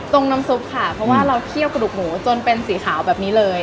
น้ำซุปค่ะเพราะว่าเราเคี่ยวกระดูกหมูจนเป็นสีขาวแบบนี้เลย